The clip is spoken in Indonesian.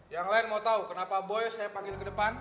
yang lain mau tahu kenapa boy saya panggil ke depan